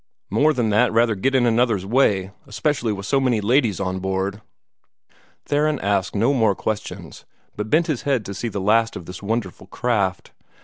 More than that rather get in one another's way, especially with so many ladies on board." Theron asked no more questions, but bent his head to see the last of this wonderful craft.